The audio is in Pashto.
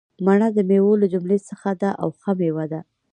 مڼه دمیوو له جملي څخه ده او ښه میوه ده